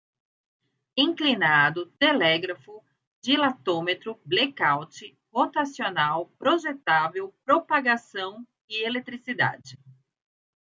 inclinado, telégrafo, dilatômetro, blecaute, rotacional, projetável, propagação, eletricidade